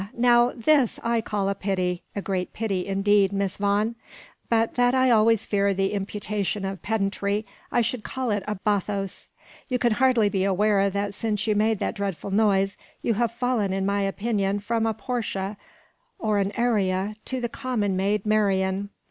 now, this I call a pity, a great pity, indeed, Miss Vaughan; but that I always fear the imputation of pedantry, I should call it a bathos. You can hardly be aware that since you made that dreadful noise, you have fallen in my opinion from a Porcia, or an Arria, to a common maid Marian.